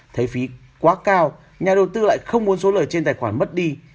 thấy phí quá cao nhà đầu tư lại không muốn số lời trên tài khoản mất đi